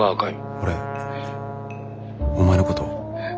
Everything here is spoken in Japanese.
俺お前のこと。